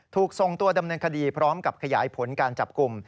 ถูกส่งตัวดำเนินคดีพร้อมกับขยายผลการจับกลุ่ม